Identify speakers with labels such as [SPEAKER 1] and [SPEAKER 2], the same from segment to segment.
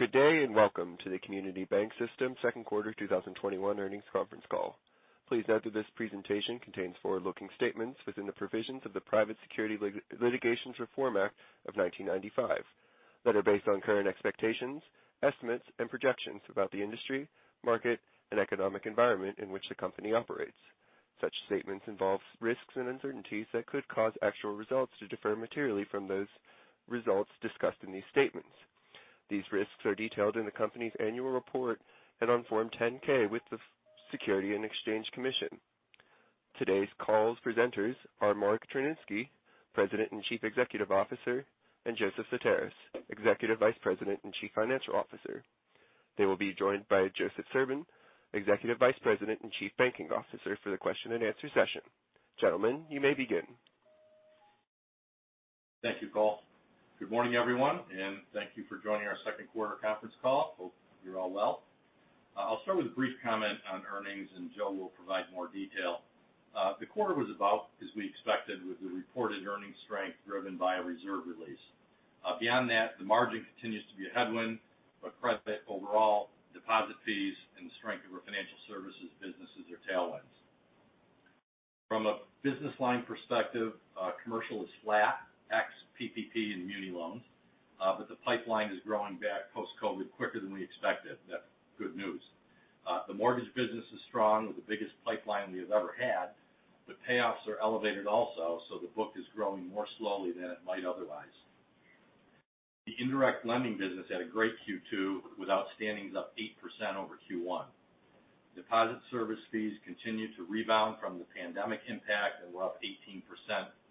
[SPEAKER 1] Good day, and welcome to the Community Financial System, Inc. second quarter 2021 earnings conference call. Please note that this presentation contains forward-looking statements within the provisions of the Private Securities Litigation Reform Act of 1995 that are based on current expectations, estimates, and projections about the industry, market, and economic environment in which the company operates. Such statements involve risks and uncertainties that could cause actual results to differ materially from those results discussed in these statements. These risks are detailed in the company's annual report and on Form 10-K with the Securities and Exchange Commission. Today's call's presenters are Mark Tryniski, President and Chief Executive Officer, and Joseph Sutaris, Executive Vice President and Chief Financial Officer. They will be joined by Joseph Serbun, Executive Vice President and Chief Banking Officer, for the question and answer session. Gentlemen, you may begin.
[SPEAKER 2] Thank you, Cole. Good morning, everyone, and thank you for joining our second quarter conference call. Hope you're all well. I'll start with a brief comment on earnings, and Joe will provide more detail. The quarter was about as we expected, with the reported earnings strength driven by a reserve release. Beyond that, the margin continues to be a headwind. Credit overall, deposit fees, and the strength of our financial services businesses are tailwinds. From a business line perspective, commercial is flat, ex-PPP and Muni loans. The pipeline is growing back post-COVID quicker than we expected. That's good news. The mortgage business is strong with the biggest pipeline we have ever had, but payoffs are elevated also, so the book is growing more slowly than it might otherwise. The indirect lending business had a great Q2, with outstandings up 8% over Q1. Deposit service fees continue to rebound from the pandemic impact and were up 18%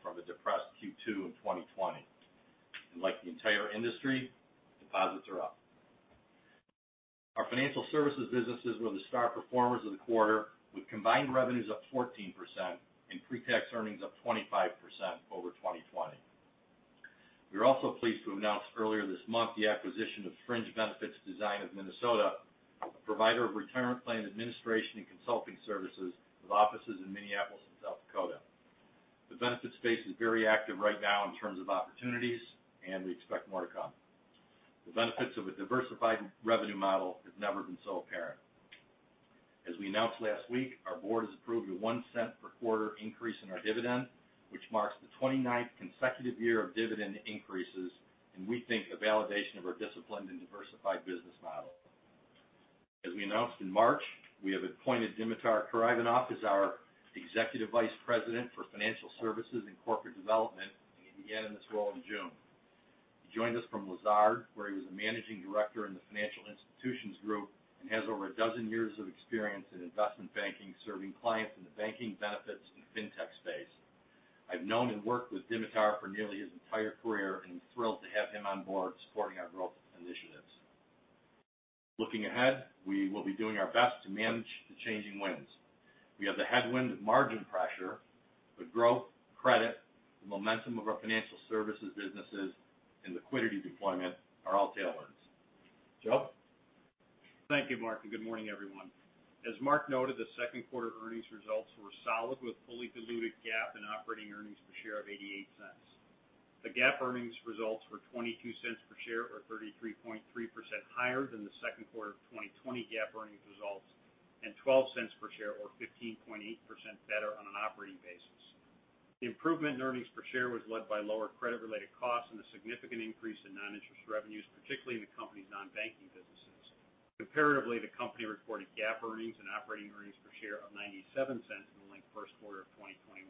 [SPEAKER 2] from a depressed Q2 2020. Like the entire industry, deposits are up. Our financial services businesses were the star performers of the quarter, with combined revenues up 14% and pre-tax earnings up 25% over 2020. We were also pleased to announce earlier this month the acquisition of Fringe Benefits Design of Minnesota, a provider of retirement plan administration and consulting services with offices in Minneapolis and South Dakota. The benefits space is very active right now in terms of opportunities, and we expect more to come. The benefits of a diversified revenue model have never been so apparent. As we announced last week, our board has approved a $0.01 per quarter increase in our dividend, which marks the 29th consecutive year of dividend increases, and we think a validation of our disciplined and diversified business model. As we announced in March, we have appointed Dimitar Karaivanov as our Executive Vice President for Financial Services and Corporate Development. He began in this role in June. He joined us from Lazard, where he was a Managing Director in the Financial Institutions group and has over 12 years of experience in investment banking, serving clients in the banking, benefits, and fintech space. I've known and worked with Dimitar for nearly his entire career and thrilled to have him on board supporting our growth initiatives. Looking ahead, we will be doing our best to manage the changing winds. We have the headwind of margin pressure, but growth, credit, the momentum of our financial services businesses, and liquidity deployment are all tailwinds. Joe?
[SPEAKER 3] Thank you, Mark, and good morning, everyone. As Mark noted, the second quarter earnings results were solid, with fully diluted GAAP and operating earnings per share of $0.88. The GAAP earnings results were $0.22 per share, or 33.3% higher than the second quarter of 2020 GAAP earnings results, and $0.12 per share, or 15.8% better on an operating basis. The improvement in earnings per share was led by lower credit-related costs and a significant increase in non-interest revenues, particularly in the company's non-banking businesses. Comparatively, the company reported GAAP earnings and operating earnings per share of $0.97 in the linked first quarter of 2021.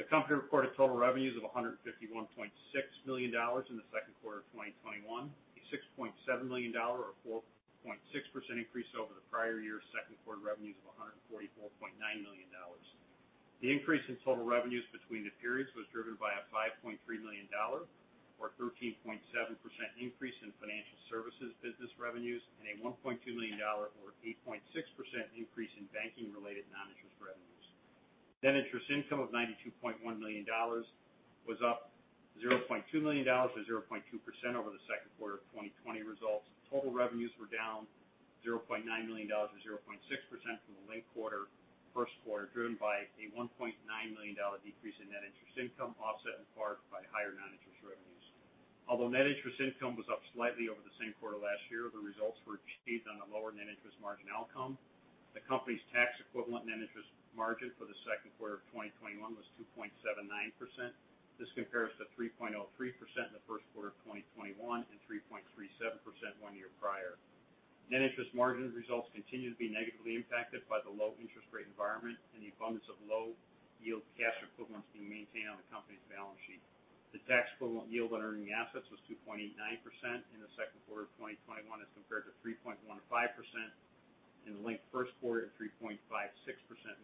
[SPEAKER 3] The company reported total revenues of $151.6 million in the second quarter of 2021, a $6.7 million, or 4.6% increase over the prior year's second quarter revenues of $144.9 million. The increase in total revenues between the periods was driven by a $5.3 million, or 13.7%, increase in financial services business revenues and a $1.2 million, or 8.6%, increase in banking-related non-interest revenues. Net interest income of $92.1 million was up $0.2 million, or 0.2%, over the second quarter of 2020 results. Total revenues were down $0.9 million, or 0.6%, from the linked first quarter, driven by a $1.9 million decrease in net interest income, offset in part by higher non-interest revenues. Although net interest income was up slightly over the same quarter last year, the results were achieved on a lower net interest margin outcome. The company's tax-equivalent net interest margin for the second quarter of 2021 was 2.79%. This compares to 3.03% in the first quarter of 2021 and 3.37% one year prior. Net interest margin results continue to be negatively impacted by the low interest rate environment and the abundance of low-yield cash equivalents being maintained on the company's balance sheet. The tax-equivalent yield on earning assets was 2.89% in Q2 2021 as compared to 3.15% in the linked first quarter and 3.56%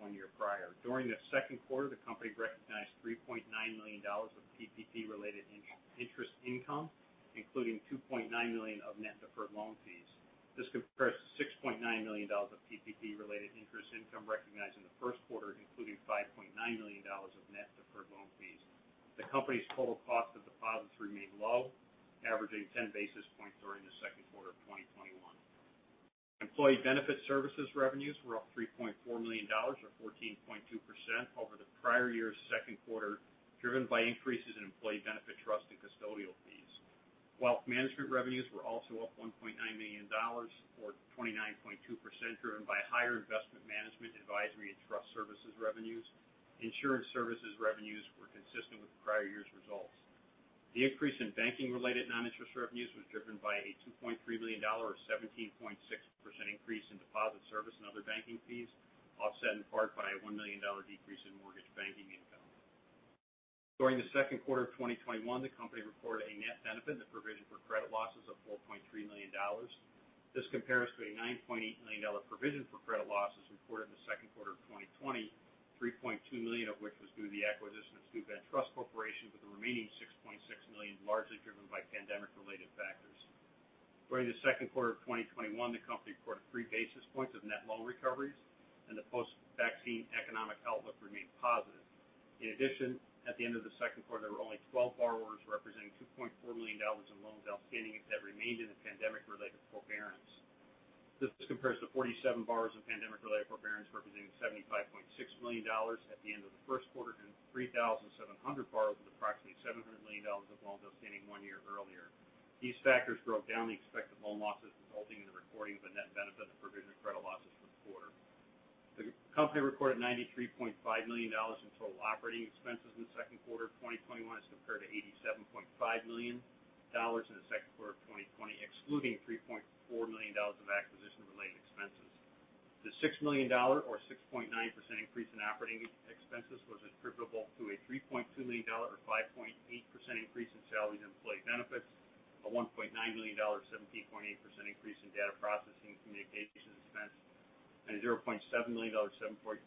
[SPEAKER 3] one year prior. During the second quarter, the company recognized $3.9 million of PPP-related interest income, including $2.9 million of net deferred loan fees. This compares to $6.9 million of PPP-related interest income recognized in the first quarter, including $5.9 million of net deferred loan fees. The company's total cost of deposits remained low, averaging 10 basis points during the second quarter. Employee benefit services revenues were up $3.4 million, or 14.2%, over the prior year's second quarter, driven by increases in employee benefit trust and custodial fees. While management revenues were also up $1.9 million, or 29.2%, driven by higher investment management advisory and trust services revenues. Insurance services revenues were consistent with the prior year's results. The increase in banking-related non-interest revenues was driven by a $2.3 million, or 17.6%, increase in deposit service and other banking fees, offset in part by a $1 million decrease in mortgage banking income. During the second quarter of 2021, the company reported a net benefit in the provision for credit losses of $4.3 million. This compares to a $9.8 million provision for credit losses reported in the second quarter of 2020, $3.2 million of which was due to the acquisition of Steuben Trust Corporation, with the remaining $6.6 million largely driven by pandemic-related factors. During the second quarter of 2021, the company reported 3 basis points of net loan recoveries and the post-vaccine economic outlook remained positive. In addition, at the end of the second quarter, there were only 12 borrowers representing $2.4 million in loans outstanding that remained in the pandemic-related forbearance. This compares to 47 borrowers in pandemic-related forbearance, representing $75.6 million at the end of the first quarter and 3,700 borrowers with approximately $700 million of loans outstanding one year earlier. These factors drove down the expected loan losses, resulting in the recording of a net benefit of provision of credit losses for the quarter. The company reported $93.5 million in total operating expenses in the second quarter of 2021 as compared to $87.5 million in the second quarter of 2020, excluding $3.4 million of acquisition-related expenses. The $6 million, or 6.9%, increase in operating expenses was attributable to a $3.2 million, or 5.8%, increase in salaries and employee benefits, a $1.9 million, or 17.8%, increase in data processing and communications expense, and a $0.7 million, 7.7%,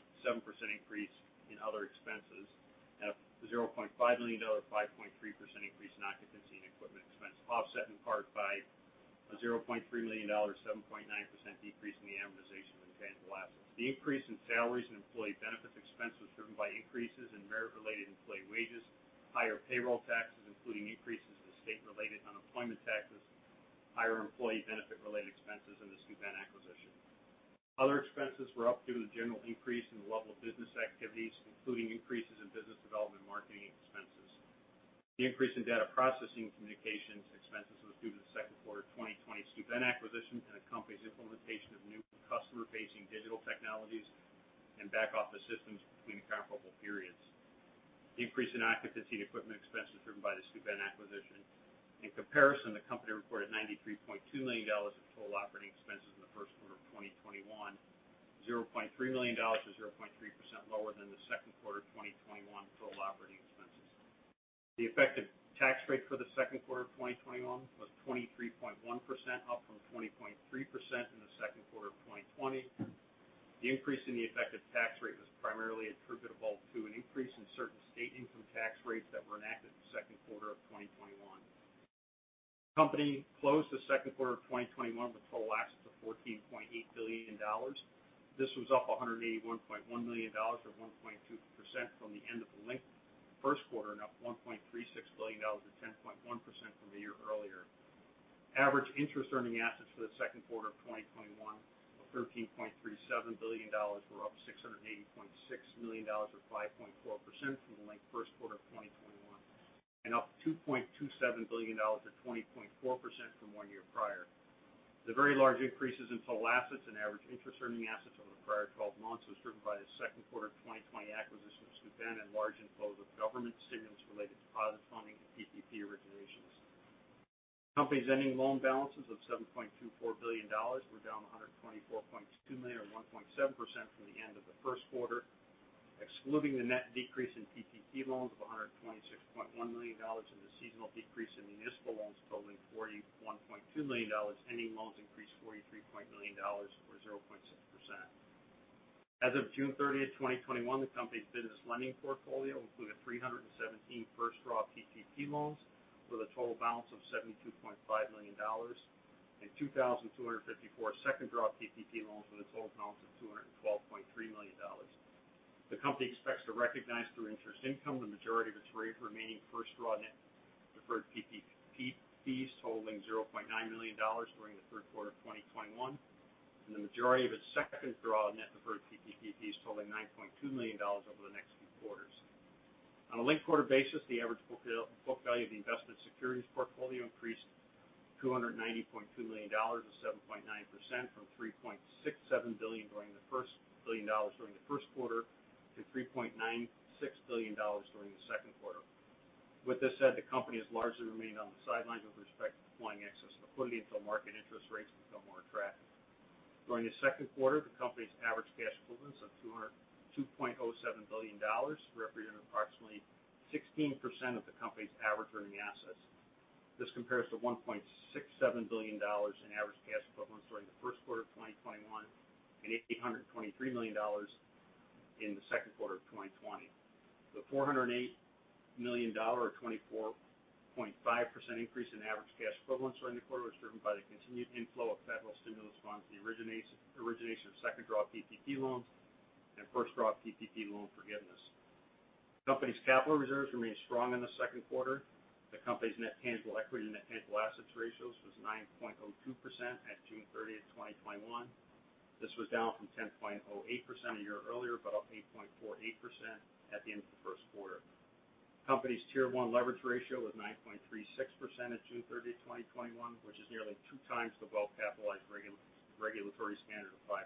[SPEAKER 3] increase in other expenses, and a $0.5 million, or 5.3%, increase in occupancy and equipment expense, offset in part by a $0.3 million, or 7.9%, decrease in the amortization of intangible assets. The increase in salaries and employee benefits expense was driven by increases in merit-related employee wages, higher payroll taxes, including increases in state-related unemployment taxes, higher employee benefit-related expenses in the Steuben acquisition. Other expenses were up due to the general increase in the level of business activities, including increases in business development marketing expenses. The increase in data processing communications expenses was due to the second quarter 2020 Steuben acquisition and the company's implementation of new customer-facing digital technologies and back-office systems between the comparable periods. The increase in occupancy and equipment expense was driven by the Steuben acquisition. In comparison, the company reported $93.2 million in total operating expenses in the first quarter of 2021, $0.3 million, or 0.3%, lower than the second quarter 2021 total operating expenses. The effective tax rate for the second quarter of 2021 was 23.1%, up from 20.3% in the second quarter of 2020. The increase in the effective tax rate was primarily attributable to an increase in certain state income tax rates that were enacted in the second quarter of 2021. The company closed the second quarter of 2021 with total assets of $14.8 billion. This was up $181.1 million, or 1.2%, from the end of the linked first quarter, and up $1.36 billion, or 10.1%, from the year earlier. Average interest-earning assets for the second quarter of 2021 were $13.37 billion, up $680.6 million, or 5.4%, from the linked first quarter of 2021, and up $2.27 billion, or 20.4%, from one year prior. The very large increases in total assets and average interest-earning assets over the prior 12 months was driven by the second quarter of 2020 acquisition of Steuben and large inflows of government stimulus-related deposit funding and PPP originations. The company's ending loan balances of $7.24 billion were down $124.2 million, or 1.7%, from the end of the first quarter. Excluding the net decrease in PPP loans of $126.1 million and the seasonal decrease in municipal loans totaling $41.2 million, ending loans increased $43.9 million, or 0.6%. As of June 30th, 2021, the company's business lending portfolio included 317 first-draw PPP loans with a total balance of $72.5 million and 2,254 second-draw PPP loans with a total balance of $212.3 million. The company expects to recognize through interest income the majority of its remaining first-draw net deferred PPP fees totaling $0.9 million during the third quarter of 2021, and the majority of its second-draw net deferred PPP fees totaling $9.2 million over the next few quarters. On a linked-quarter basis, the average book value of the investment securities portfolio increased $290.2 million, or 7.9%, from $3.67 billion during the first quarter to $3.96 billion during the second quarter. With this said, the company has largely remained on the sidelines with respect to deploying excess liquidity until market interest rates become more attractive. During the second quarter, the company's average cash equivalents of $2.07 billion represented approximately 16% of the company's average earning assets. This compares to $1.67 billion in average cash equivalents during the first quarter of 2021 and $823 million in the second quarter of 2020. The $408 million, or 24.5%, increase in average cash equivalents during the quarter was driven by the continued inflow of federal stimulus funds, the origination of second-draw PPP loans, and first-draw PPP loan forgiveness. The company's capital reserves remain strong in the second quarter. The company's net tangible equity and net tangible assets ratios was 9.02% at June 30, 2021. This was down from 10.08% a year earlier, but up 8.48% at the end of the first quarter. Company's Tier 1 leverage ratio was 9.36% at June 30, 2021, which is nearly 2x the well-capitalized regulatory standard of 5%.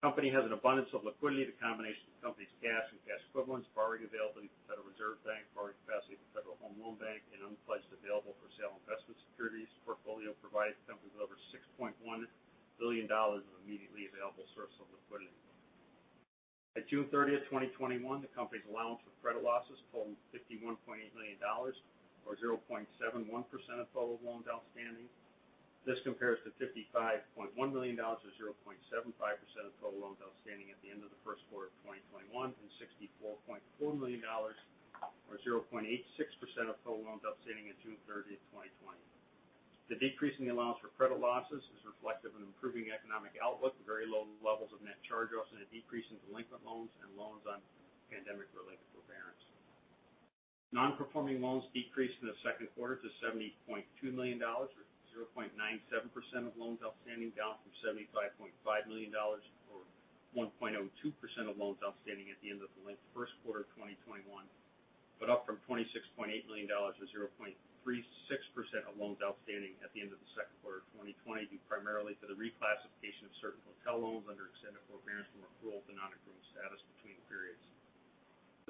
[SPEAKER 3] Company has an abundance of liquidity. The combination of the company's cash and cash equivalents, borrowing availability from Federal Reserve Bank, borrowing capacity from Federal Home Loan Bank, and unpledged available for sale investment securities portfolio provided the company with over $6.1 billion of immediately available source of liquidity. At June 30, 2021, the company's allowance for credit losses totaled $51.8 million or 0.71% of total loans outstanding. This compares to $55.1 million, or 0.75% of total loans outstanding at the end of the first quarter of 2021, and $64.4 million or 0.86% of total loans outstanding at June 30, 2020. The decrease in the allowance for credit losses is reflective of an improving economic outlook, very low levels of net charge-offs, and a decrease in delinquent loans and loans on pandemic-related forbearance. Non-performing loans decreased in the second quarter to $70.2 million or 0.97% of loans outstanding, down from $75.5 million or 1.02% of loans outstanding at the end of the first quarter 2021. Up from $26.8 million or 0.36% of loans outstanding at the end of the second quarter of 2020, due primarily to the reclassification of certain hotel loans under extended forbearance from accrual to non-accrual status between periods.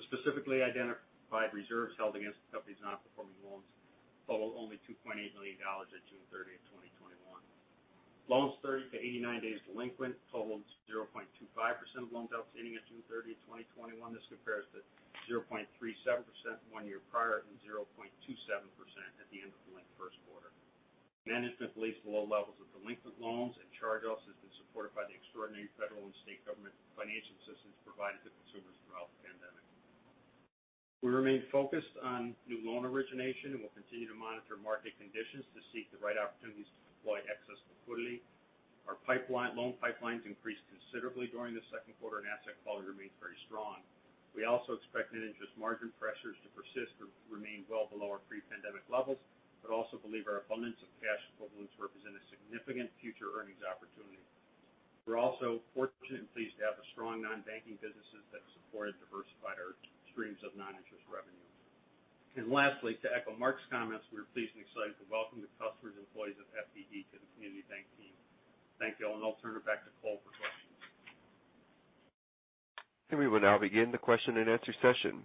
[SPEAKER 3] The specifically identified reserves held against the company's non-performing loans totaled only $2.8 million at June 30, 2021. Loans 30 to 89 days delinquent totaled 0.25% of loans outstanding at June 30, 2021. This compares to 0.37% one year prior, and 0.27% at the end of the first quarter. Management believes the low levels of delinquent loans and charge-offs has been supported by the extraordinary federal and state government financial assistance provided to consumers throughout the pandemic. We remain focused on new loan origination, and we'll continue to monitor market conditions to seek the right opportunities to deploy excess liquidity. Our loan pipelines increased considerably during the second quarter, and asset quality remains very strong. We also expect net interest margin pressures to persist or remain well below our pre-pandemic levels, but also believe our abundance of cash equivalents represent a significant future earnings opportunity. We're also fortunate and pleased to have the strong non-banking businesses that support and diversify our streams of non-interest revenue. Lastly, to echo Mark's comments, we are pleased and excited to welcome the customers and employees of FBD to the Community Bank team. Thank you all, and I'll turn it back to Cole for questions.
[SPEAKER 1] We will now begin the question and answer session.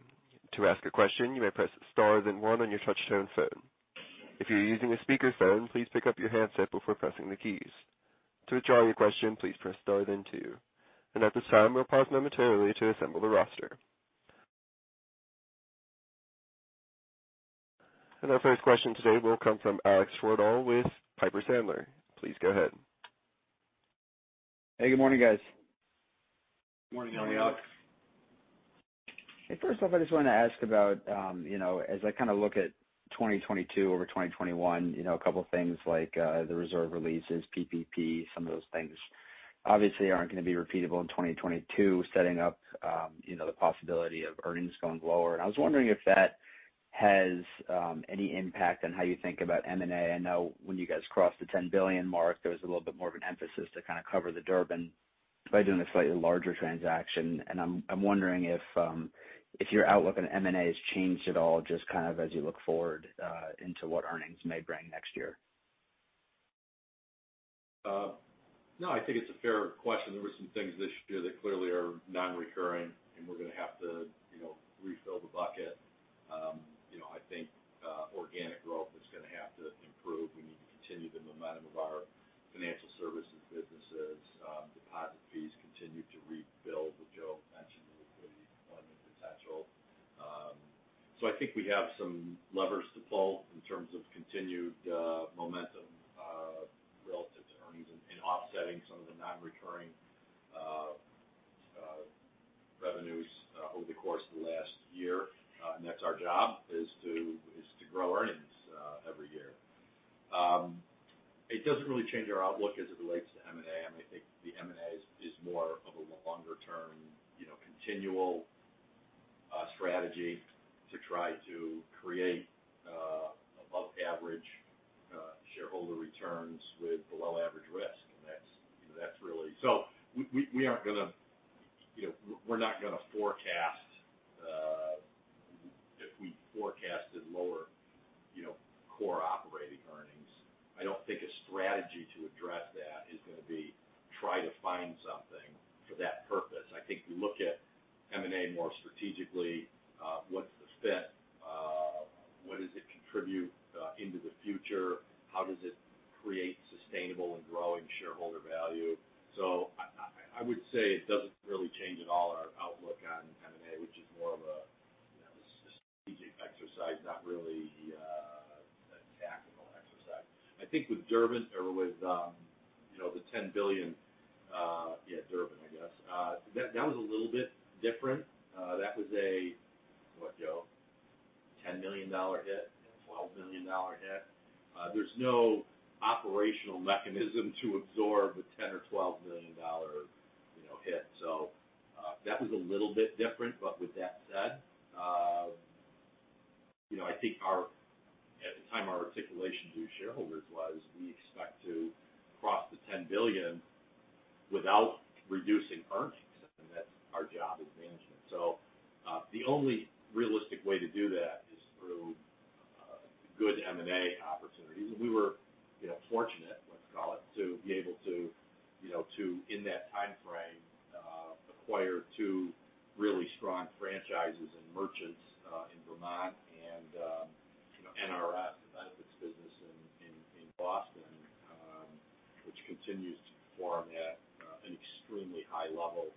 [SPEAKER 1] Our first question today will come from Alex Twerdahl with Piper Sandler. Please go ahead.
[SPEAKER 4] Hey, good morning, guys.
[SPEAKER 2] Morning, Alex.
[SPEAKER 3] Morning.
[SPEAKER 4] Hey, first off, I just wanted to ask about, as I kind of look at 2022 over 2021, 2 things like the reserve releases, PPP, some of those things obviously aren't going to be repeatable in 2022, setting up the possibility of earnings going lower. I was wondering if that has any impact on how you think about M&A. I know when you guys crossed the $10 billion mark, there was a little bit more of an emphasis to kind of cover the Durbin Amendment by doing a slightly larger transaction. I'm wondering if your outlook on M&A has changed at all, just kind of as you look forward into what earnings may bring next year.
[SPEAKER 2] No, I think it's a fair question. There were some things this year that clearly are non-recurring, and we're going to have to refill the bucket. I think organic growth is going to have to improve. We need to continue the momentum of our financial services businesses. Deposit fees continue to rebuild, what Joe mentioned, the liquidity component potential. I think we have some levers to pull in terms of continued momentum, relative to earnings and offsetting some of the non-recurring revenues over the course of the last year. That's our job is to grow earnings every year. It doesn't really change our outlook as it relates to M&A. I think the M&A is more of a longer-term continual strategy to try to create above average shareholder returns with below average risk. We're not going to forecast if we forecasted lower core operating earnings. I don't think a strategy to address that is going to be try to find something for that purpose. I think we look at M&A more strategically. What's the fit? What does it contribute into the future? How does it create sustainable and growing shareholder value? I would say it doesn't really change at all our outlook on M&A, which is more of a strategic exercise, not really a tactical exercise. I think with Durbin or with the $10 billion, yeah, Durbin, I guess. $10 million hit and a $12 million hit. There's no operational mechanism to absorb a $10 million or $12 million hit. That was a little bit different. With that said, I think at the time, our articulation to shareholders was we expect to cross the $10 billion without reducing earnings, and that's our job as management. The only realistic way to do that is through good M&A opportunities. We were fortunate, let's call it, to be able to, in that timeframe, acquire two really strong franchises and Merchants, in Vermont and NRS, the benefits business in Boston, which continues to perform at an extremely high level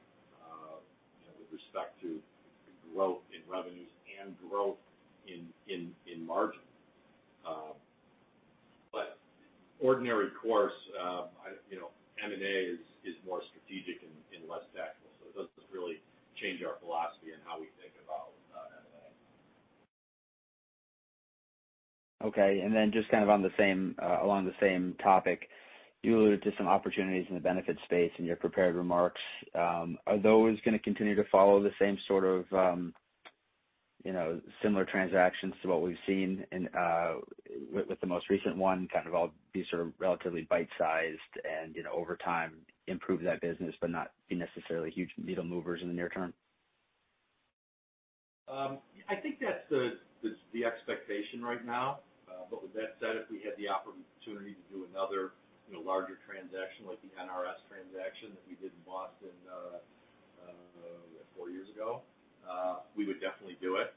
[SPEAKER 2] with respect to growth in revenues and growth in margin. Ordinary course, M&A is more strategic and less tactical, so it doesn't really change our philosophy and how we think about M&A.
[SPEAKER 4] Okay, just kind of along the same topic, you alluded to some opportunities in the benefits space in your prepared remarks. Are those going to continue to follow the same sort of similar transactions to what we've seen in with the most recent one, kind of all be sort of relatively bite-sized and over time improve that business, but not be necessarily huge needle movers in the near-term?
[SPEAKER 2] I think that's the expectation right now. With that said, if we had the opportunity to do another larger transaction like the NRS transaction that we did in Boston four years ago, we would definitely do it.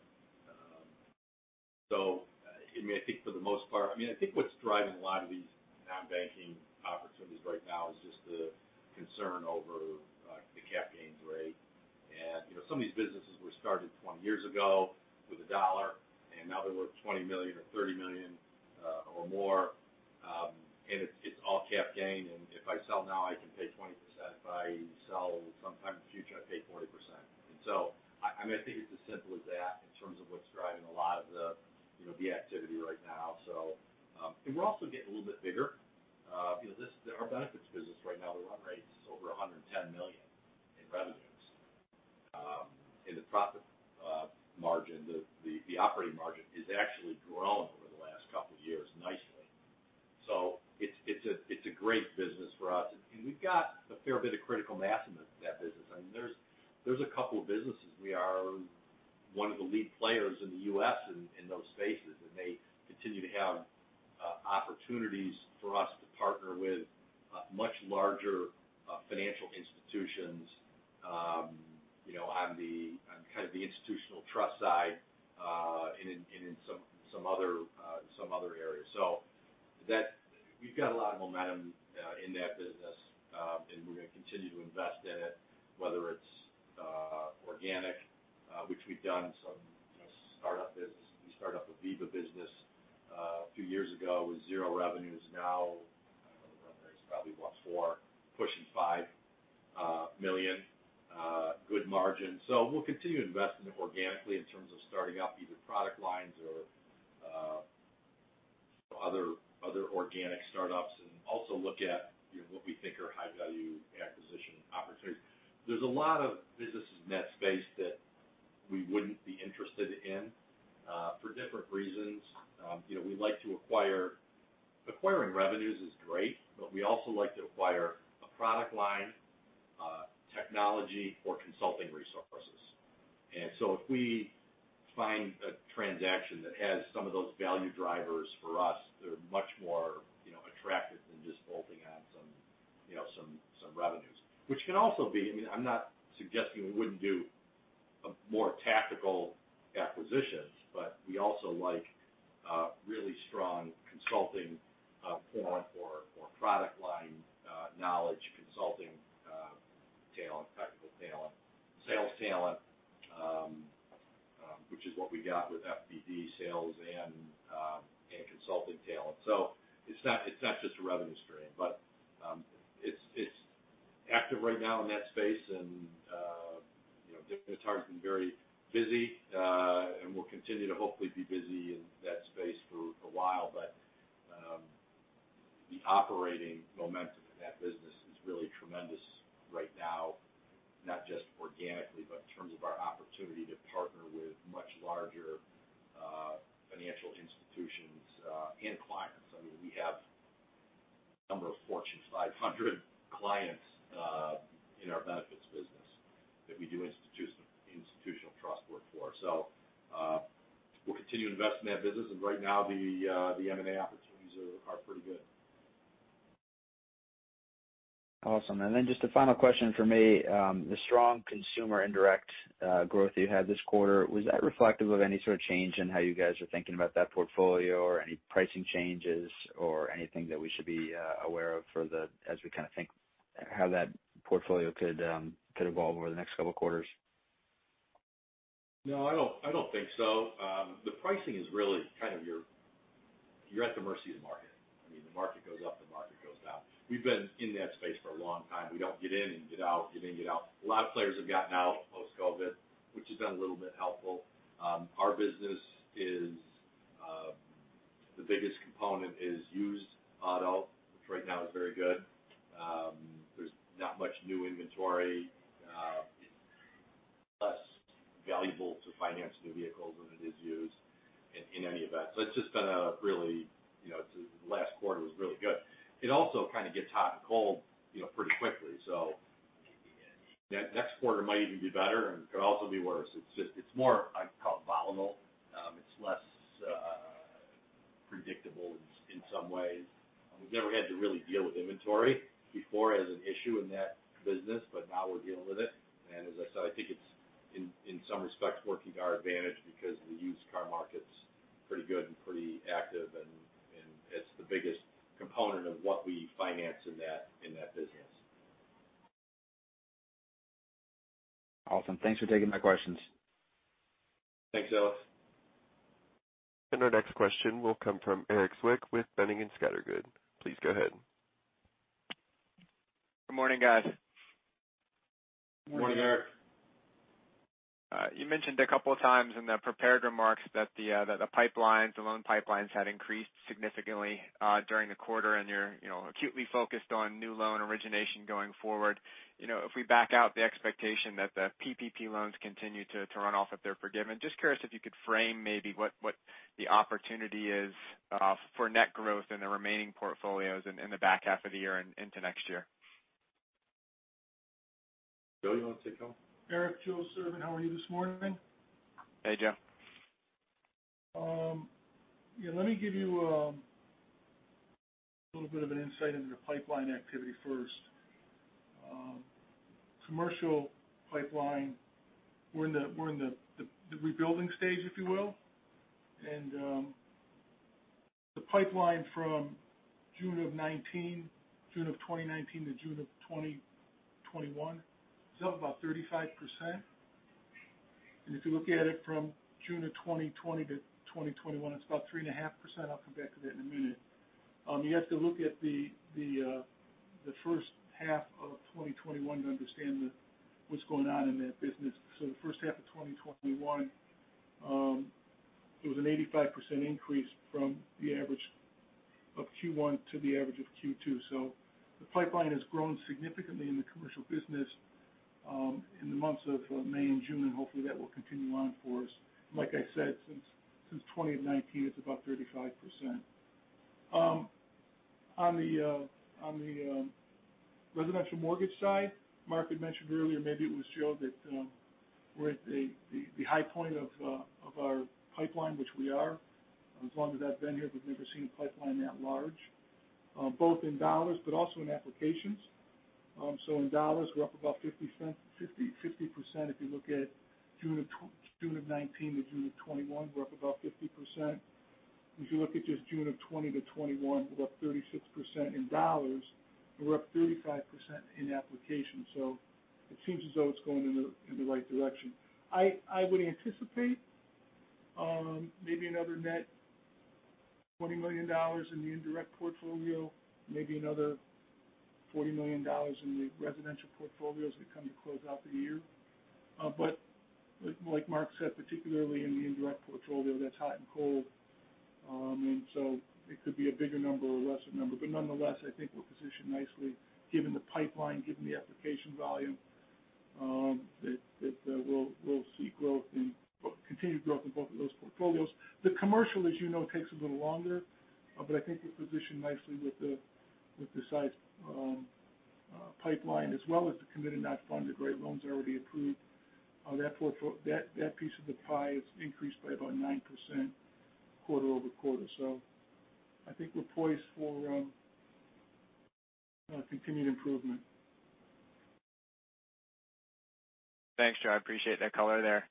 [SPEAKER 2] I think for the most part, what's driving a lot of these non-banking opportunities right now is just the concern over the cap gains rate. Some of these businesses were started 20 years ago with a dollar, and now they're worth $20 million or $30 million or more. It's all cap gain. If I sell now, I can pay 20%. If I sell sometime in the future, I pay 40%. I think it's as simple as that in terms of what's driving a lot of the activity right now. We're also getting a little bit bigger. Our benefits business right now, the run rate is over $110 million in revenues. The profit margin, the operating margin has actually grown over the last couple of years nicely. It's a great business for us. We've got a fair bit of critical mass in that business. There's a couple of businesses. We are one of the lead players in the U.S. in those spaces, and they continue to have opportunities for us to partner with much larger financial institutions on kind of the institutional trust side and in some other areas. We've got a lot of momentum in that business, and we're going to continue to invest in it, whether it's organic, which we've done some start-up business. We started up a VEBA business a few years ago with zero revenues. Now the run rate is probably what, $4 million, pushing $5 million. Good margin. We'll continue to invest in it organically in terms of starting up either product lines or other organic start-ups, and also look at what we think are high-value acquisition opportunities. There's a lot of businesses in that space that we wouldn't be interested in for different reasons. Acquiring revenues is great, but we also like to acquire a product line, technology, or consulting resources. If we find a transaction that has some of those value drivers for us, they're much more attractive than just bolting on some revenues. Which can also be, I'm not suggesting we wouldn't do more tactical acquisitions, but we also like a really strong consulting component or product line knowledge, consulting talent, technical talent, sales talent, which is what we got with FBD sales and consulting talent. It's not just a revenue stream. It's active right now in that space, and different targets and very busy. We'll continue to hopefully be busy in that space for a while, but the operating momentum in that business is really tremendous right now, not just organically, but in terms of our opportunity to partner with much larger financial institutions and clients. We have a number of Fortune 500 clients in our benefits business that we do institutional trust work for. We'll continue to invest in that business. Right now, the M&A opportunities are pretty good.
[SPEAKER 4] Awesome. Just a final question from me. The strong consumer indirect growth that you had this quarter, was that reflective of any sort of change in how you guys are thinking about that portfolio, or any pricing changes, or anything that we should be aware of as we kind of think how that portfolio could evolve over the next couple of quarters?
[SPEAKER 2] No, I don't think so. The pricing is really kind of your You're at the mercy of the market. The market goes up, the market goes down. We've been in that space for a long time. We don't get in and get out, get in, get out. A lot of players have gotten out post-COVID, which has been a little bit helpful. Our business, the biggest component is used auto, which right now is very good. There's not much new inventory. It's less valuable to finance new vehicles than it is used in any event. Last quarter was really good. It also kind of gets hot and cold pretty quickly. Next quarter might even be better and could also be worse. It's more, I'd call it, volatile. It's less predictable in some ways. We've never had to really deal with inventory before as an issue in that business, but now we're dealing with it. As I said, I think it's, in some respects, working to our advantage because the used car market's pretty good and pretty active and it's the biggest component of what we finance in that business.
[SPEAKER 4] Awesome. Thanks for taking my questions.
[SPEAKER 2] Thanks, Alex.
[SPEAKER 1] Our next question will come from Erik Zwick with Boenning & Scattergood. Please go ahead.
[SPEAKER 5] Good morning, guys.
[SPEAKER 2] Morning, Erik.
[SPEAKER 5] You mentioned a couple of times in the prepared remarks that the loan pipelines had increased significantly during the quarter and you're acutely focused on new loan origination going forward. If we back out the expectation that the PPP loans continue to run off if they're forgiven, just curious if you could frame maybe what the opportunity is for net growth in the remaining portfolios in the back half of the year and into next year?
[SPEAKER 2] Joe, you want to take that one?
[SPEAKER 6] Erik, Joseph Serbun. How are you this morning?
[SPEAKER 5] Hey, Joe.
[SPEAKER 6] Let me give you a little bit of an insight into the pipeline activity first. Commercial pipeline, we're in the rebuilding stage, if you will. The pipeline from June of 2019 to June of 2021 is up about 35%. If you look at it from June of 2020 to 2021, it's about 3.5%. I'll come back to that in a minute. You have to look at the first half of 2021 to understand what's going on in that business. The first half of 2021, it was an 85% increase from the average of Q1 to the average of Q2. The pipeline has grown significantly in the commercial business in the months of May and June, and hopefully that will continue on for us. Like I said, since 2019, it's about 35%. On the residential mortgage side, Mark had mentioned earlier, maybe it was Joe, that we're at the high point of our pipeline, which we are. As long as I've been here, we've never seen a pipeline that large, both in dollars, but also in applications. In dollars, we're up about 50%. If you look at June of 2019 to June of 2021, we're up about 50%. If you look at just June of 2020 to 2021, we're up 36% in dollars. We're up 35% in applications. It seems as though it's going in the right direction. I would anticipate maybe another net $40 million in the indirect portfolio, maybe another $40 million in the residential portfolios that come to close out the year. Like Mark said, particularly in the indirect portfolio, that's hot and cold. It could be a bigger number or a lesser number. Nonetheless, I think we're positioned nicely given the pipeline, given the application volume, that we'll see continued growth in both of those portfolios. The commercial, as you know, takes a little longer. I think we're positioned nicely with the size pipeline as well as the committed not funded, great loans that are already approved. That piece of the pie is increased by about 9% quarter-over-quarter. I think we're poised for continued improvement.
[SPEAKER 5] Thanks, Joe. I appreciate that color there.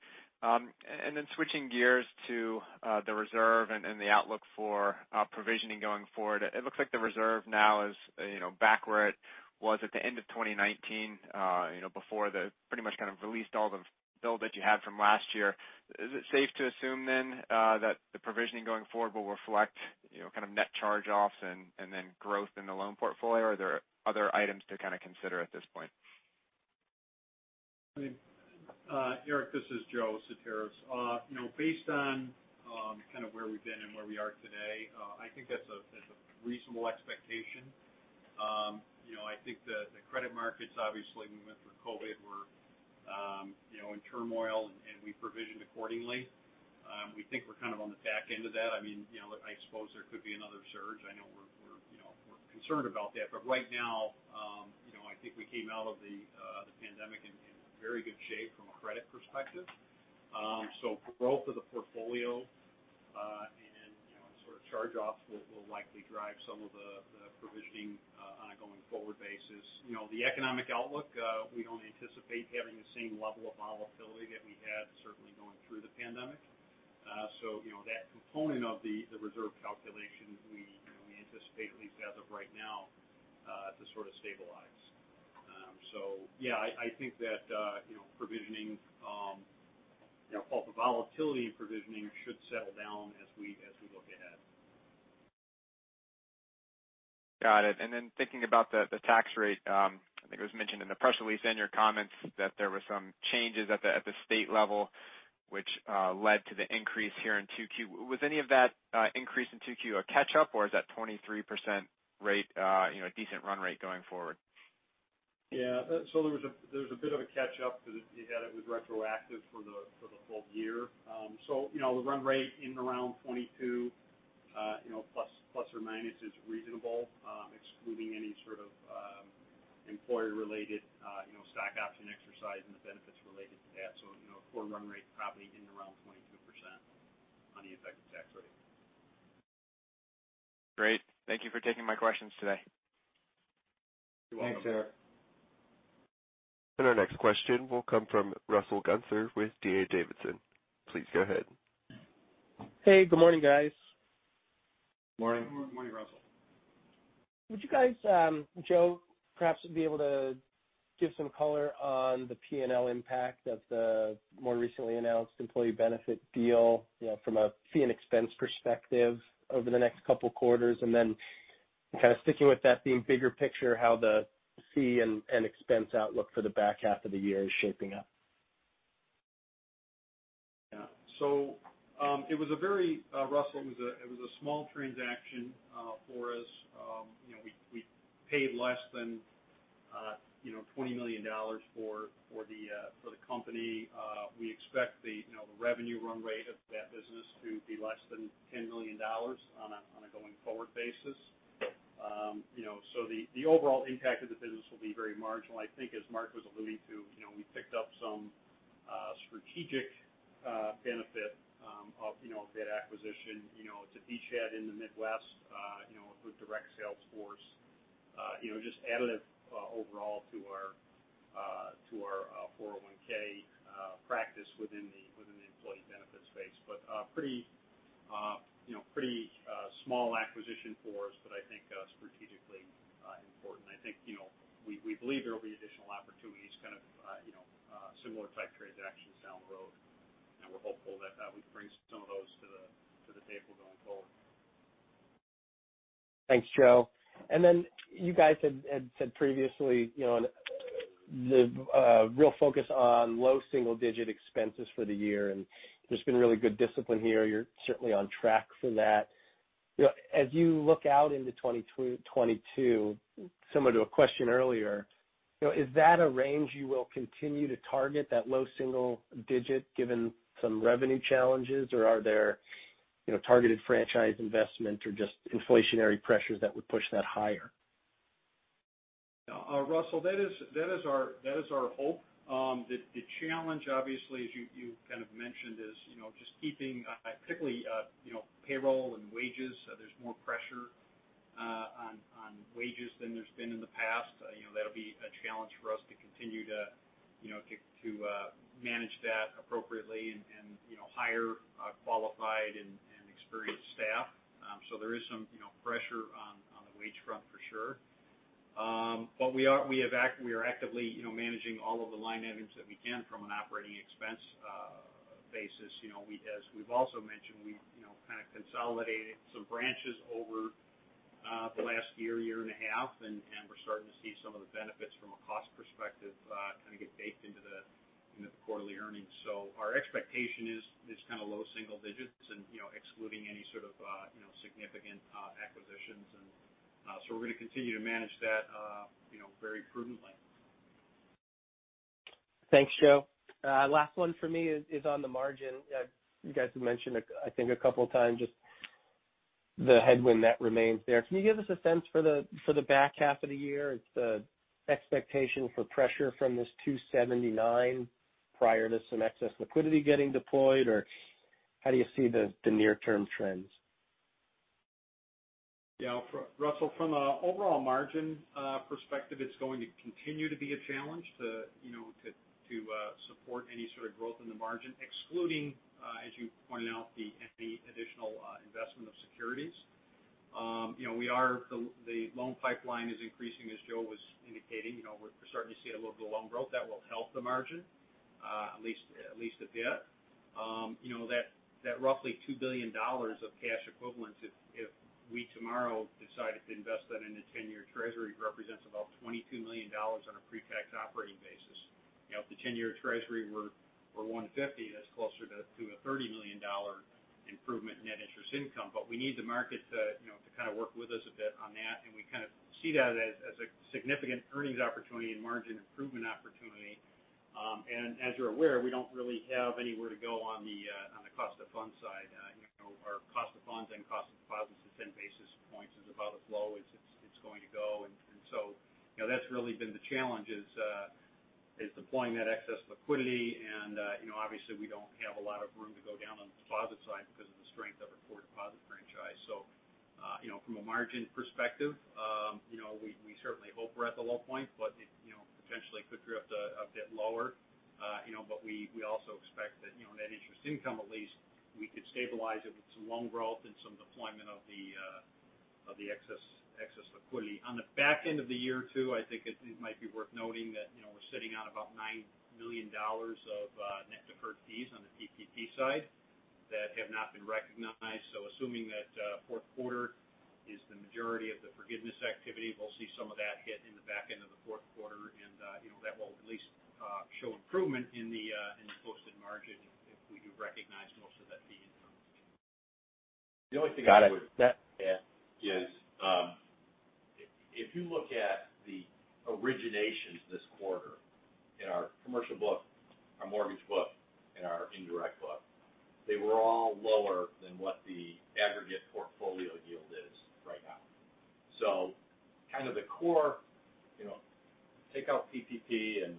[SPEAKER 5] Switching gears to the reserve and the outlook for provisioning going forward. It looks like the reserve now is back where it was at the end of 2019 before the pretty much kind of released all the build that you had from last year. Is it safe to assume that the provisioning going forward will reflect kind of net charge-offs and then growth in the loan portfolio, or are there other items to kind of consider at this point?
[SPEAKER 3] Erik, this is Joe Sutaris. Based on kind of where we've been and where we are today, I think that's a reasonable expectation. I think the credit markets, obviously, when we went through COVID, were in turmoil, and we provisioned accordingly. We think we're kind of on the back end of that. I suppose there could be another surge. I know we're concerned about that. Right now, I think we came out of the pandemic in very good shape from a credit perspective. Growth of the portfolio and sort of charge-offs will likely drive some of the provisioning on a going forward basis. The economic outlook, we don't anticipate having the same level of volatility that we had certainly going through the pandemic. That component of the reserve calculation set, at least as of right now, to sort of stabilize. Yeah, I think that provisioning, call it the volatility provisioning, should settle down as we look ahead.
[SPEAKER 5] Got it. Thinking about the tax rate, I think it was mentioned in the press release, in your comments that there were some changes at the state level, which led to the increase here in 2Q. Was any of that increase in 2Q a catch-up, or is that 23% rate a decent run rate going forward?
[SPEAKER 3] Yeah. There was a bit of a catch-up because it was retroactive for the full year. The run rate in around 22% ± is reasonable, excluding any sort of employer-related stock option exercise and the benefits related to that. A core run rate probably in around 22% on the effective tax rate.
[SPEAKER 5] Great. Thank you for taking my questions today.
[SPEAKER 3] You're welcome.
[SPEAKER 2] Thanks, Erik.
[SPEAKER 1] Our next question will come from Russell Gunther with D.A. Davidson. Please go ahead.
[SPEAKER 7] Hey, good morning, guys.
[SPEAKER 2] Morning.
[SPEAKER 3] Good morning, Russell.
[SPEAKER 7] Would you guys, Joe, perhaps be able to give some color on the P&L impact of the more recently announced employee benefit deal from a fee and expense perspective over the next couple quarters? Kind of sticking with that theme, bigger picture, how the fee and expense outlook for the back half of the year is shaping up.
[SPEAKER 3] Yeah. Russell, it was a small transaction for us. We paid less than $20 million for the company. We expect the revenue run rate of that business to be less than $10 million on a going forward basis. The overall impact of the business will be very marginal. I think as Mark was alluding to, we picked up some strategic benefit of that acquisition. It's a beachhead in the Midwest with direct sales force. Just additive overall to our 401 practice within the employee benefits space. Pretty small acquisition for us, but I think strategically important. I think, we believe there will be additional opportunities, kind of similar type transactions down the road, and we're hopeful that we can bring some of those to the table going forward.
[SPEAKER 7] Thanks, Joe. You guys had said previously, the real focus on low-single-digit expenses for the year, and there's been really good discipline here. You're certainly on track for that. As you look out into 2022, similar to a question earlier, is that a range you will continue to target, that low single digit given some revenue challenges? Are there targeted franchise investment or just inflationary pressures that would push that higher?
[SPEAKER 3] No. Russell, that is our hope. The challenge obviously, as you kind of mentioned, is just keeping particularly payroll and wages. There's more pressure on wages than there's been in the past. That'll be a challenge for us to continue to manage that appropriately and hire qualified and experienced staff. There is some pressure on the wage front for sure. We are actively managing all of the line items that we can from an operating expense basis. As we've also mentioned, we've kind of consolidated some branches over the last year and a half, and we're starting to see some of the benefits from a cost perspective kind of get baked into the quarterly earnings. Our expectation is kind of low single digits and excluding any sort of significant acquisitions. We're going to continue to manage that very prudently.
[SPEAKER 7] Thanks, Joe. Last one for me is on the margin. You guys have mentioned, I think a couple of times just the headwind that remains there. Can you give us a sense for the back half of the year? Is the expectation for pressure from this 279 prior to some excess liquidity getting deployed? How do you see the near-term trends?
[SPEAKER 3] Yeah. Russell, from a overall margin perspective, it's going to continue to be a challenge to support any sort of growth in the margin excluding, as you pointed out, any additional investment of securities. The loan pipeline is increasing, as Joe was indicating. We're starting to see a little bit of loan growth that will help the margin, at least a bit. That roughly $2 billion of cash equivalents, if we tomorrow decided to invest that in a 10-year Treasury, represents about $22 million on a pre-tax operating basis. If the 10-year Treasury were 150, that's closer to a $30 million improvement in net interest income. We need the market to kind of work with us a bit on that, and we kind of see that as a significant earnings opportunity and margin improvement opportunity. As you're aware, we don't really have anywhere to go on the cost of funds side. Our cost of funds and cost of deposits is 10 basis points, is about as low as it's going to go. That's really been the challenge is, deploying that excess liquidity and obviously we don't have a lot of room to go down on the deposit side because of the strength of our core deposit franchise. From a margin perspective, we certainly hope we're at the low point. We also expect that net interest income at least we could stabilize it with some loan growth and some deployment of the excess liquidity. On the back end of the year too, I think it might be worth noting that we're sitting on about $9 million of net deferred fees on the PPP side that have not been recognized. Assuming that fourth quarter is the majority of the forgiveness activity, we'll see some of that hit in the back end of the fourth quarter and that will at least show improvement in the posted margin if we do recognize most of that fee income.
[SPEAKER 2] The only thing I would add is, if you look at the originations this quarter in our commercial book, our mortgage book, and our indirect book, they were all lower than what the aggregate portfolio yield is right now. Kind of the core, take out PPP and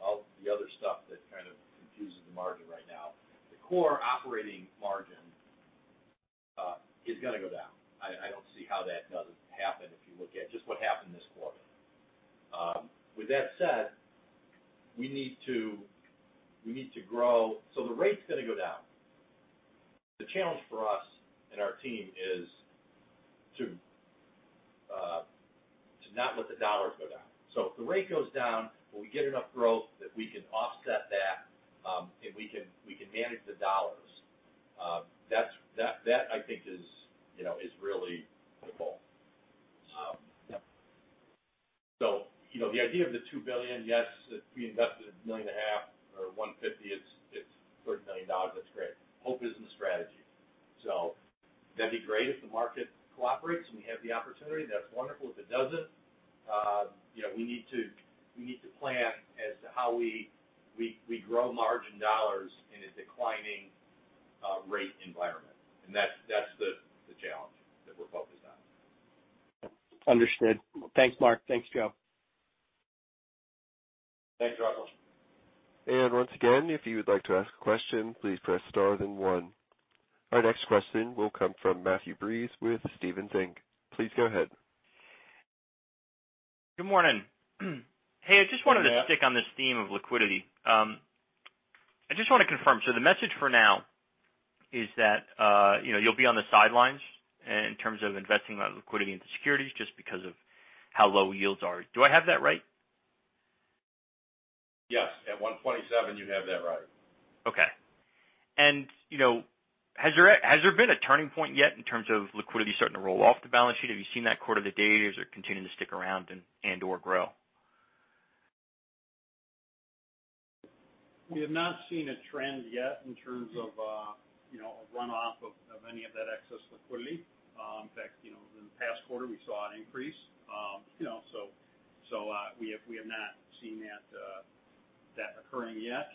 [SPEAKER 2] all the other stuff that kind of confuses the margin right now. The core operating margin is going to go down. I don't see how that doesn't happen if you look at just what happened this quarter. With that said, we need to grow. The rate's going to go down. The challenge for us and our team is to not let the dollars go down. If the rate goes down, will we get enough growth that we can offset that, and we can manage the dollars? That I think is really the goal.
[SPEAKER 7] Yeah.
[SPEAKER 2] The idea of the $2 billion, yes, if we invested $1.5 million or 150, it is $30 million, that is great. Whole business strategy. That would be great if the market cooperates and we have the opportunity, that is wonderful. If it does not, we need to plan as to how we grow margin dollars in a declining rate environment. That is the challenge that we are focused on.
[SPEAKER 7] Understood. Thanks, Mark. Thanks, Joe.
[SPEAKER 2] Thanks, Russell.
[SPEAKER 1] Once again, if you would like to ask a question, please press star then one. Our next question will come from Matthew Breese with Stephens Inc. Please go ahead.
[SPEAKER 8] Good morning. Hey.
[SPEAKER 2] Good morning.
[SPEAKER 8] Stick on this theme of liquidity. I just want to confirm, the message for now is that you'll be on the sidelines in terms of investing that liquidity into securities just because of how low yields are. Do I have that right?
[SPEAKER 2] Yes. At 127, you have that right.
[SPEAKER 8] Okay. Has there been a turning point yet in terms of liquidity starting to roll off the balance sheet? Have you seen that quarter to date, or is it continuing to stick around and/or grow?
[SPEAKER 3] We have not seen a trend yet in terms of a run-off of any of that excess liquidity. In fact, in the past quarter, we saw an increase. We have not seen that occurring yet.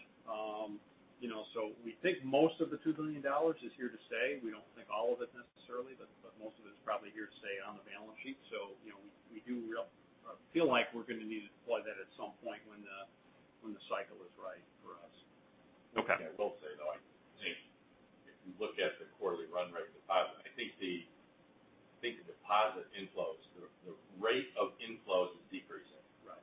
[SPEAKER 3] We think most of the $2 billion is here to stay. We don't think all of it necessarily, but most of it is probably here to stay on the balance sheet. We do feel like we're going to need to deploy that at some point when the cycle is right for us.
[SPEAKER 8] Okay.
[SPEAKER 2] Yeah, I will say, though, I think if you look at the quarterly run rate deposit, I think the deposit inflows, the rate of inflows is decreasing.
[SPEAKER 8] Right.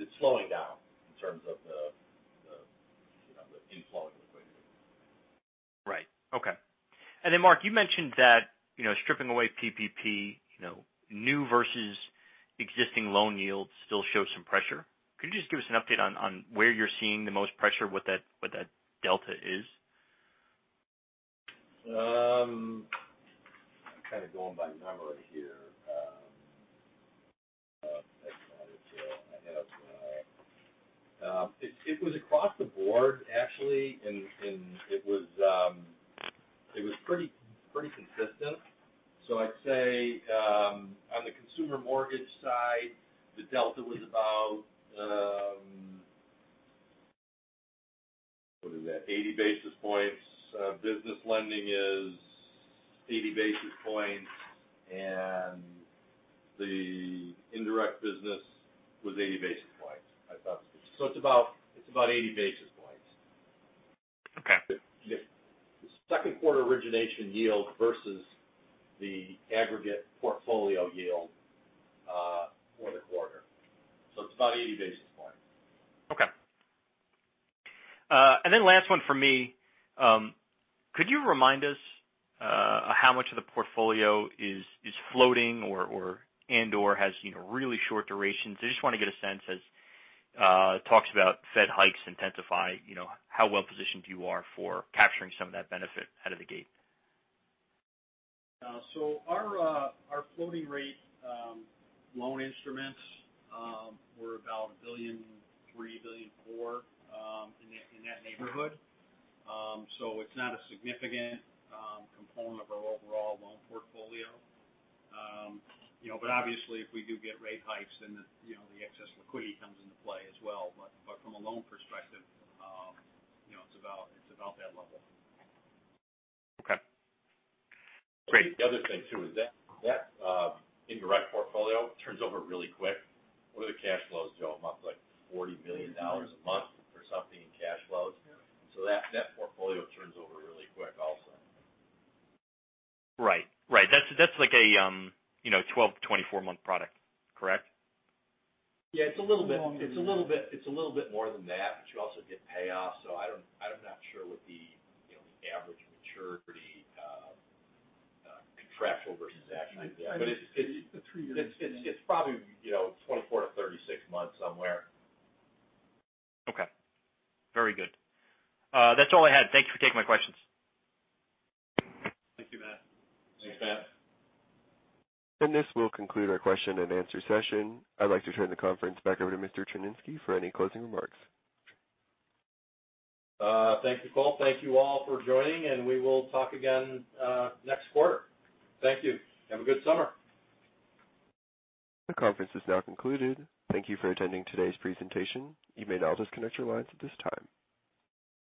[SPEAKER 2] It's slowing down in terms of the inflow of liquidity.
[SPEAKER 8] Right. Okay. Mark, you mentioned that stripping away PPP, new versus existing loan yields still show some pressure. Could you just give us an update on where you're seeing the most pressure, what that delta is?
[SPEAKER 2] I'm kind of going by memory here. It was across the board actually, and it was pretty consistent. I'd say on the consumer mortgage side, the delta was about, what is that, 80 basis points. Business lending is 80 basis points, and the indirect business was 80 basis points, I thought. It's about 80 basis points.
[SPEAKER 8] Okay.
[SPEAKER 2] The second quarter origination yield versus the aggregate portfolio yield for the quarter. It's about 80 basis points.
[SPEAKER 8] Okay. Last one from me. Could you remind us how much of the portfolio is floating or and/or has really short durations? I just want to get a sense as talks about Fed hikes intensify, how well positioned you are for capturing some of that benefit out of the gate.
[SPEAKER 3] Our floating rate loan instruments were about $1.3 billion-$1.4 billion in that neighborhood. It's not a significant component of our overall loan portfolio. Obviously if we do get rate hikes, then the excess liquidity comes into play as well. From a loan perspective, it's about that level.
[SPEAKER 8] Okay. Great.
[SPEAKER 2] The other thing too is that indirect portfolio turns over really quick. What are the cash flows, Joe, a month? Like $40 million a month or something in cash flows?
[SPEAKER 3] Yeah.
[SPEAKER 2] That portfolio turns over really quick also.
[SPEAKER 8] Right. That's like a 12-24-month product, correct?
[SPEAKER 3] Yeah, it's a little bit more than that, but you also get payoffs, so I'm not sure what the average maturity, contractual versus actual idea.
[SPEAKER 2] The three years.
[SPEAKER 3] It's probably 24 months-36 months somewhere.
[SPEAKER 8] Okay. Very good. That's all I had. Thank you for taking my questions.
[SPEAKER 2] Thank you, Matt.
[SPEAKER 6] Thanks, Matt.
[SPEAKER 1] This will conclude our question and answer session. I'd like to turn the conference back over to Mr. Tryniski for any closing remarks.
[SPEAKER 2] Thank you, Cole. Thank you all for joining, and we will talk again next quarter. Thank you. Have a good summer.
[SPEAKER 1] The conference is now concluded. Thank you for attending today's presentation. You may now disconnect your lines at this time.